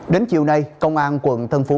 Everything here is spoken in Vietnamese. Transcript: đến chiều nay công an quận thân phú